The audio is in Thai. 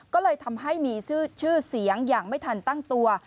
ก็เลยทำให้มีชื่อเสียงอย่างไม่ทันตั้งตัว